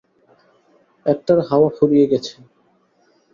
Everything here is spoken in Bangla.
একটার হাওয়া ফুরিয়ে গেছে।